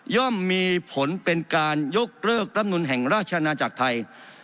่อมมีผลเป็นการยกเลิกรำนุนแห่งราชนาจักรไทย